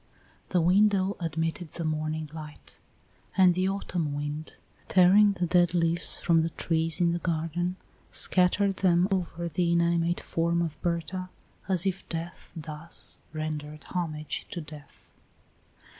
The window admitted the morning light; and the autumn wind, tearing the dead leaves from the trees in the garden, scattered them over the inanimate form of Berta, as if death thus rendered homage to death.